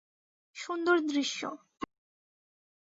সুন্দর দৃশ্য, তাই না?